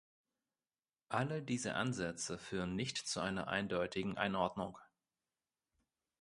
Alle diese Ansätze führen nicht zu einer eindeutigen Einordnung.